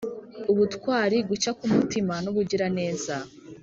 ubutwari, gucya ku mutima, n' ubugiraneza